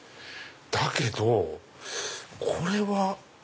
だけどこれは。